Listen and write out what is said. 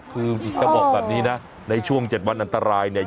คืออีกครั้งบอกแบบนี้นะในช่วง๗วันอันตราย